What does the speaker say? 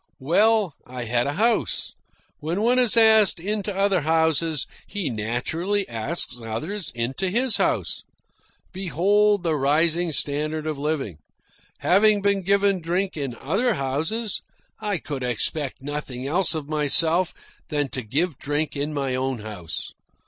Well, I had a house. When one is asked into other houses, he naturally asks others into his house. Behold the rising standard of living. Having been given drink in other houses, I could expect nothing else of myself than to give drink in my own house.